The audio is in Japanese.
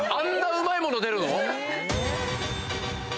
うまい物出るの？